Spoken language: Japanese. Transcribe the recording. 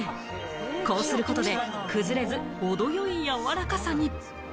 こうすることで崩れず、程よい柔らかさに。